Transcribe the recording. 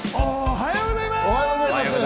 おはようございます！